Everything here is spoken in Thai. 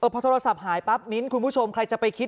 พอโทรศัพท์หายปั๊บมิ้นท์คุณผู้ชมใครจะไปคิด